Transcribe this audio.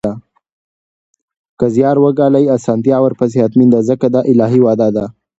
که زیار وګالئ، اسانتیا ورپسې حتمي ده ځکه دا الهي وعده ده